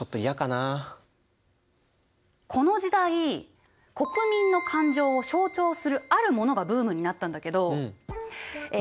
この時代国民の感情を象徴するあるものがブームになったんだけどえ